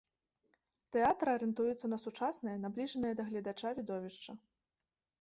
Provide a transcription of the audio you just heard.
Тэатр арыентуецца на сучаснае, набліжанае да гледача відовішча.